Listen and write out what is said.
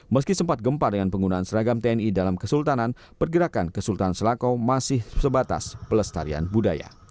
meski sempat gempa dengan penggunaan seragam tni dalam kesultanan pergerakan kesultan selakau masih sebatas pelestarian budaya